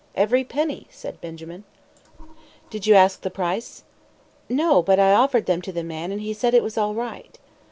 "Every penny," said Benjamin. "Did you ask the price?" "No. But I offered them to the man, and he said it was all right."